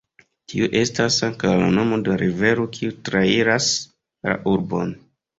Tiu estas ankaŭ la nomo de la rivero kiu trairas la urbon.